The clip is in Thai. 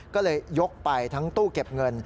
ก็เลยยกไปทั้งตู้เก็บเงิน